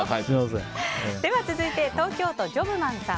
続いて、東京都の方。